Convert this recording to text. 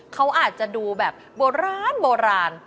เขาอาจจะดูแบบโบราณ